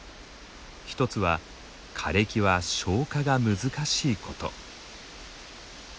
ひとつは枯れ木は消化が難しいこと。